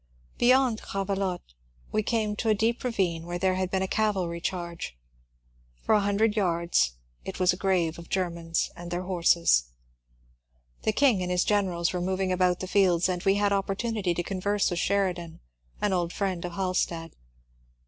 Beyond Gravelotte we came to a deep ravine where there had been a cavahy charge ; for a hundred yards it was a grave of Germans and their horses. The Elng and his gen erals were moving about the fields, and we had opportunity to converse with Sheridan, — an old friend of Halstead.